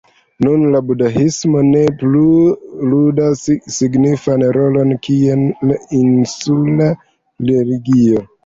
Nun la budhismo ne plu ludas signifan rolon kiel insula religio.